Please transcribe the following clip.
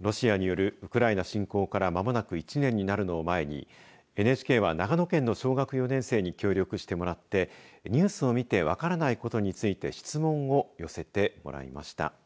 ロシアによるウクライナ侵攻からまもなく１年になるのを前にＮＨＫは長野県の小学４年生に協力してもらってニュースを見て分からないことについて質問を寄せてもらいました。